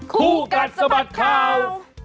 คู่กัดสะบัดข่าว